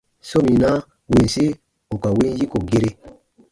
Sominaa winsi ù ka win yiko gere.